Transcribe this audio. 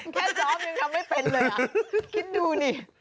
แค่ซ้อมยังทำไม่เป็นเลยอ่ะคิดดูนี่